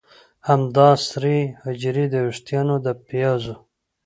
همدا سرې حجرې د ویښتانو د پیازو